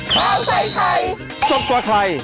ขอบคุณค่ะ